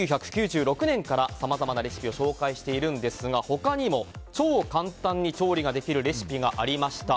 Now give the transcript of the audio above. １９９６年からさまざまなレシピを紹介しているんですが他にも超簡単に調理ができるレシピがありました。